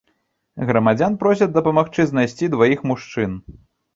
Грамадзян просяць дапамагчы знайсці дваіх мужчын.